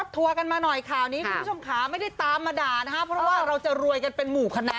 ตัวรานนี้คุณผู้ชมคะไม่ได้ตามมาด่าเพราะว่าเราจะรวยกันเป็นหมู่เขานะ